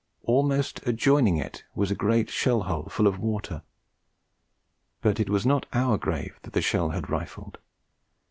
Almost adjoining it was a great shell hole full of water; but it was not our grave that the shell had rifled.